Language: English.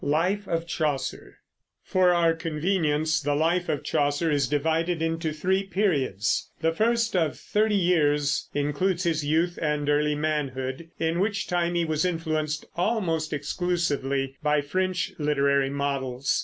LIFE OF CHAUCER. For our convenience the life of Chaucer is divided into three periods. The first, of thirty years, includes his youth and early manhood, in which time he was influenced almost exclusively by French literary models.